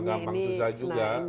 gampang gampang susah juga